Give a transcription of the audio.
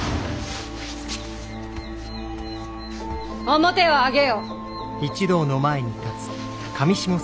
面を上げよ！